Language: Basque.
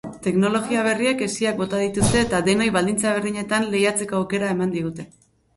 Teknologia berriek hesiak bota dituzte eta denoi baldintza berdinetan lehiatzeko aukera eman digute.